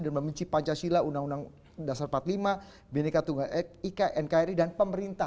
dan membenci pancasila undang undang dasar empat puluh lima bni katungga ika nkri dan pemerintah